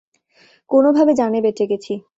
কোনভাবে জানে বেঁচে গেছি।